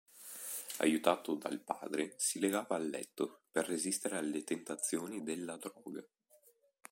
Aiutato dal padre si legava al letto per resistere alle tentazioni della droga.